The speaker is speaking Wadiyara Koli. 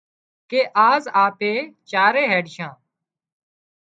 ڪي آز آپ چارئي هينڏشان